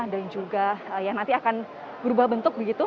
dan juga yang nanti akan berubah bentuk begitu